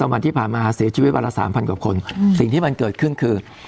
วันที่ผ่านมาเสียชีวิตวันละ๓๐๐กว่าคนสิ่งที่มันเกิดขึ้นคือ